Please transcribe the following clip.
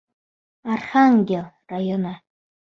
Архангел районы.